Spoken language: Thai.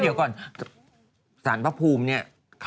พี่คนนึงแหละน่าจะถ่ายรูปเยอะเลยละค่ะ